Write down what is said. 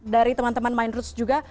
dari teman teman mindroots juga